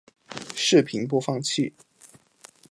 视频播放器